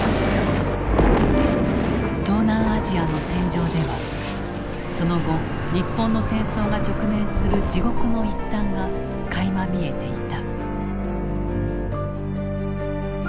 東南アジアの戦場ではその後日本の戦争が直面する地獄の一端がかいま見えていた。